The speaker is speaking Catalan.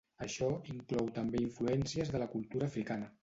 Això inclou també influències de la cultura africana.